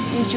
ya juga sih